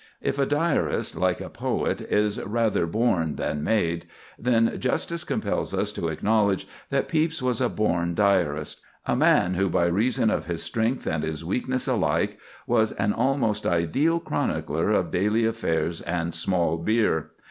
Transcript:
If a diarist, like a poet, is rather born than made, then justice compels us to acknowledge that Pepys was a born diarist—a man who, by reason of his strength and his weakness alike, was an almost ideal chronicler of daily affairs and small beer.